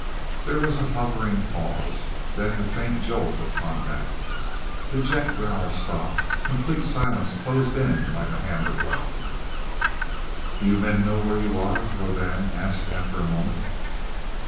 There was a hovering pause, then the faint jolt of contact. The jet growl stopped; complete silence closed in like a hammer blow. "Do you men know where you are?" Rodan asked after a moment.